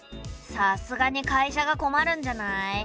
さすがに会社が困るんじゃない？